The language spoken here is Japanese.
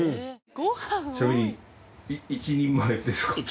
ちなみに１人前ですか？